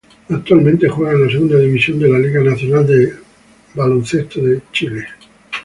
Actualmente juega en la Segunda División de la Liga Nacional de Básquetbol de Chile.